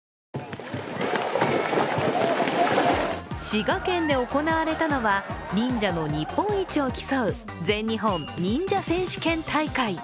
滋賀県で行われたのは、忍者の日本一を競う全日本忍者選手権大会。